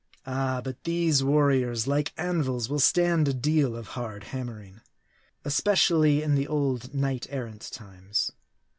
Ah ! but these warriors, like anvils, will stand a deal of hard hammering. Especially in the old knight errant times.